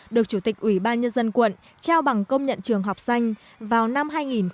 được chủ tịch ủy ban nhân dân quận trao bằng công nhận trường học xanh vào năm hai nghìn một mươi